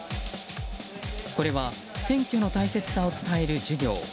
これは選挙の大切さを伝える授業。